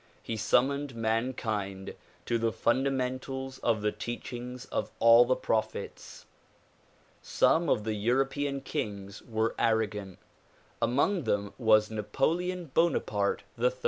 He summoned mankind to the funda mentals of the teachings of all the prophets. Some of the European kings were arrogant. Among them was Napoleon Bonaparte III.